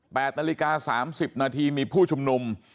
๘นาฬิกา๓๐นาทีมีผู้ชมนุม